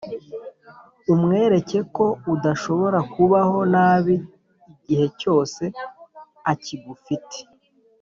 umwereke ko adashobora kubaho nabi igihe cyose akigufite.